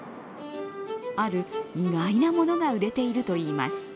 ある意外なものが売れているといいます。